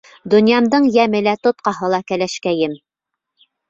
Донъямдың йәме лә, тотҡаһы ла кәләшкәйем!